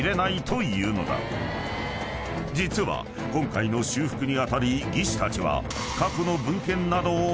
［実は今回の修復に当たり技師たちは］